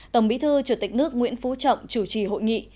tổng bí thư chủ tịch nước nguyễn phú trọng chủ trì hội nghị